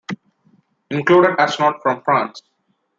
Included astronaut from France.